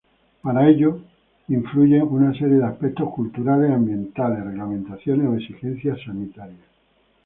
Para ello influyen una serie de aspectos culturales, ambientales, reglamentaciones o exigencias sanitarias.